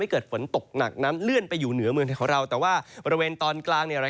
ให้เกิดฝนตกหนักน้ำเลื่อนไปอยู่เหนือเมืองมืองเทวอเราก็ว่า